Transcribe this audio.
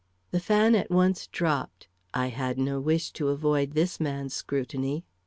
The fan at once dropped; I had no wish to avoid this man's scrutiny.